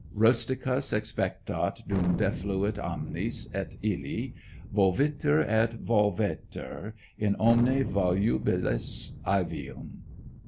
"Rusticus expectat dum defluit amnis, at ille Volvitur et volvetur, in omne volubilis ævium."